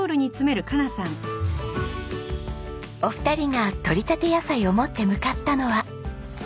お二人がとりたて野菜を持って向かったのは。